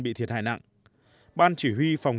bị thiệt hại nặng ban chỉ huy phòng